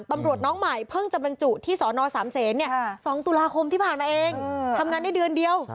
ตำรวจน้องใหม่เพิ่งจะบรรจุที่สอนอสามเศษ๒ตุลาคมที่ผ่านมาเองทำงานได้เดือนเดียว